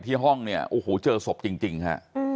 ห้องเนี่ยโอ้โหเจอศพจริงฮะ